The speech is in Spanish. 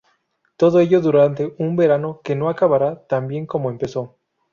Todo ello durante un verano que no acabará tan bien como empezó.